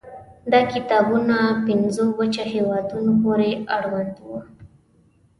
دا کتابونه پنځو وچه هېوادونو پورې اړوند وو.